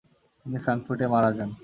তিনি ফ্রাঙ্কফুর্টে মারা যান।